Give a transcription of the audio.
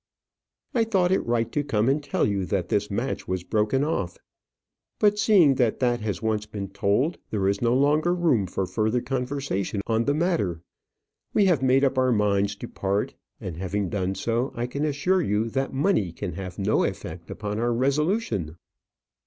"I thought it right to come and tell you that this match was broken off. But seeing that that has once been told, there is no longer room for further conversation on the matter. We have made up our minds to part; and, having done so, I can assure you that money can have no effect upon our resolution."